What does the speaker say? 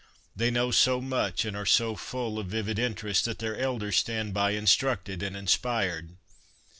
They know so much and are so full of vivid interest that their elders stand by instructed and inspired.